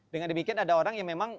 dengan demikian ada orang yang memang